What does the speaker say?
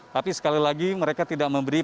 tapi sekali lagi mereka tidak memberi